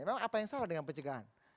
memang apa yang salah dengan pencegahan